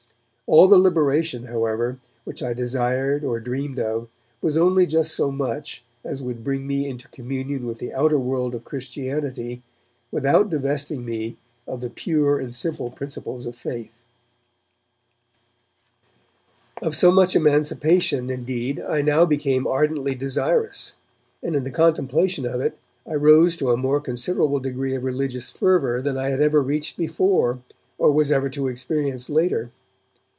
All the liberation, however, which I desired or dreamed of was only just so much as would bring me into communion with the outer world of Christianity without divesting me of the pure and simple principles of faith. Of so much emancipation, indeed, I now became ardently desirous, and in the contemplation of it I rose to a more considerable degree of religious fervour than I had ever reached before or was ever to experience later.